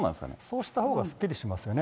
そうしたほうがすっきりしますよね。